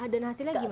dan hasilnya gimana